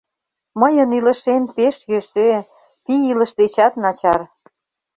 Мыйын илышем пеш йӧсӧ, пий илыш дечат начар...